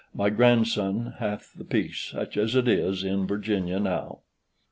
My grandson hath the piece, such as it is, in Virginia now.